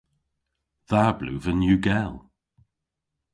Dha bluven yw gell.